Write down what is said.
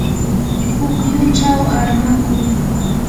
pukyuchaw armakuy.